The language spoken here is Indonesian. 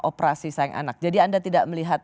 operasi sayang anak jadi anda tidak melihat